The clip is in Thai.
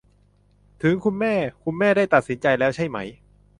ถึงคุณแม่ คุณแม่ได้ตัดสินใจแล้วใช่ไหม ?